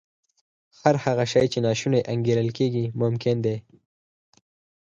هر هغه شی چې ناشونی انګېرل کېږي ممکن دی